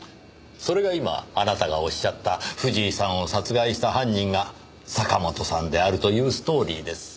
それが今あなたがおっしゃった藤井さんを殺害した犯人が坂本さんであるというストーリーです。